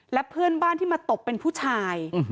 และเพื่อนบ้านที่มาตบเป็นผู้ชาย